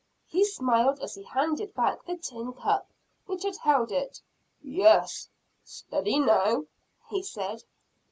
He smiled as he handed back the tin cup which had held it. "Yes steady now!" he said.